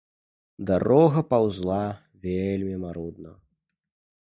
Дарога паўзла вельмі марудна.